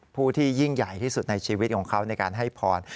ผู้ที่ยิ่งใหญ่ที่สุดในชีวิตของเขาในการให้พร